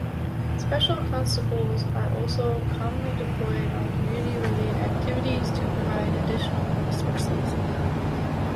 Special Constables are also commonly deployed on community related activities to provide additional resources.